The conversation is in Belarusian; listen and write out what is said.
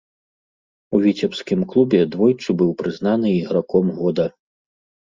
У віцебскім клубе двойчы быў прызнаны іграком года.